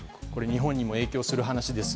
日本にも影響する話です。